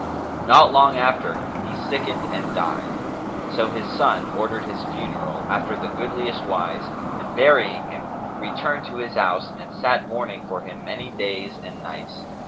Not long after, he sickened and died; so his son ordered his funeral,[FN#283] after the goodliest wise, and burying him, returned to his house and sat mourning for him many days and nights.